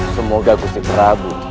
semoga gusti prabu